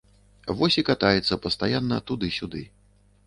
Вось і катаецца пастаянна туды-сюды.